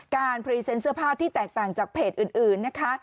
พรีเซนต์เสื้อผ้าที่แตกต่างจากเพจอื่นนะคะ